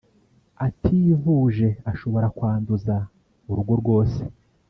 ativuje ashobora kwanduza urugo rwose